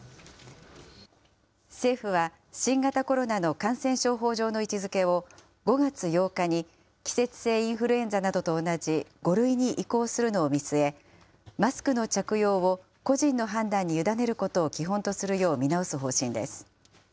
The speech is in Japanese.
政府は新型コロナの感染症法上の位置づけを、５月８日に季節性インフルエンザなどと同じ、５類に移行するのを見据え、マスクの着用を個人の判断に委ねることを基本とするよう見直す方針です。